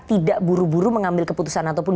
tidak buru buru mengambil keputusan ataupun